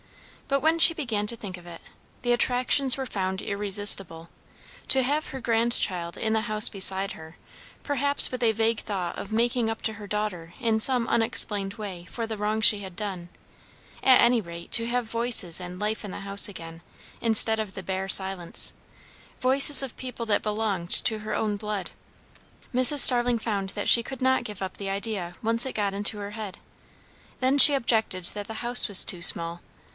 But when she began to think of it, the attractions were found irresistible. To have her grandchild in the house beside her, perhaps with a vague thought of making up to her daughter in some unexplained way for the wrong she had done; at any rate, to have voices and life in the house again, instead of the bare silence; voices of people that belonged to her own blood; Mrs. Starling found that she could not give up the idea, once it got into her head. Then she objected that the house was too small.